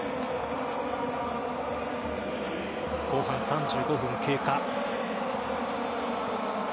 後半３５分経過。